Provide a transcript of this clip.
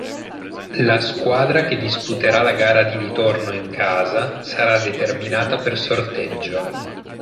La squadra che disputerà la gara di ritorno in casa sarà determinata per sorteggio.